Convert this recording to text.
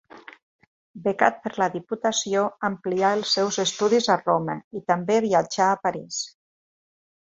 Becat per la Diputació, amplià els seus estudis a Roma i també viatjà a París.